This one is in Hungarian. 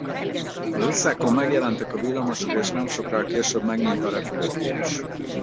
Az utcákon megjelentek a villamosok és nem sokkal később megnyílt a repülőtér is.